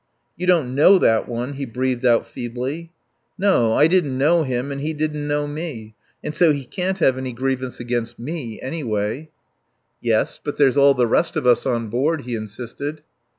"You don't know that one," he breathed out feebly. "No. I didn't know him, and he didn't know me. And so he can't have any grievance against me, anyway." "Yes. But there's all the rest of us on board," he insisted.